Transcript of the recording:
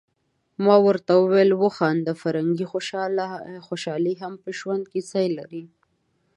ما ورته وویل: وخانده فرګي، خوشالي هم په ژوند کي ځای لري.